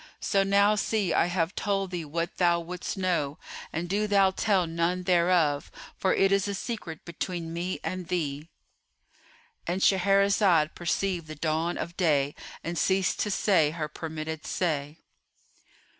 So now see I have told thee what thou wouldst know, and do thou tell none thereof, for it is a secret between me and thee.'"——And Shahrazad perceived the dawn of day and ceased to say her permitted say.